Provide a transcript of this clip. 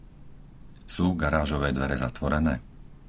Sú garážové dvere zatvorené?